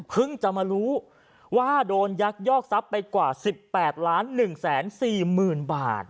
จะมารู้ว่าโดนยักยอกทรัพย์ไปกว่า๑๘๑๔๐๐๐บาท